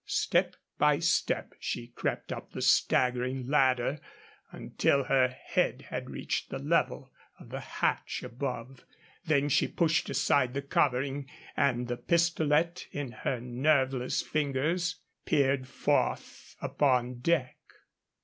Step by step she crept up the staggering ladder until her head had reached the level of the hatch above. Then she pushed aside the covering, and, the pistolet in her nerveless fingers, peered forth upon deck.